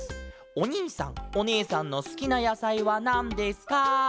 おにいさんおねえさんのすきなやさいはなんですか？」。